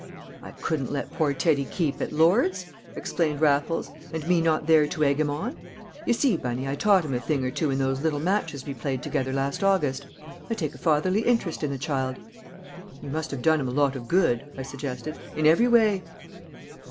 "I couldn't let poor Teddy keep at Lord's," explained Raffles, "and me not there to egg him on! You see, Bunny, I taught him a thing or two in those little matches we played together last August. I take a fatherly interest in the child." "You must have done him a lot of good," I suggested, "in every way."